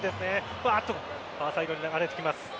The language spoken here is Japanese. ファーサイドに流れていきます。